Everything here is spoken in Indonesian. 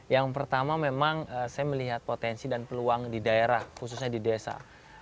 yang pertama memang saya melihat potensi dan peluang di daerah khususnya di desa